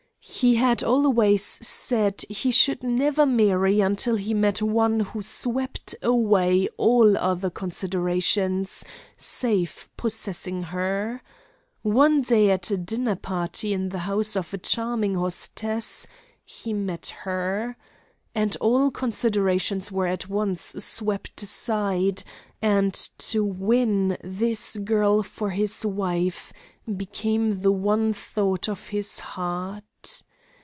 He had always said he should never marry until he met one who swept away all other considerations, save possessing her. One day at a dinner party in the house of a charming hostess, he met her. And all considerations were at once swept aside, and to win this girl for his wife became the one thought of his heart.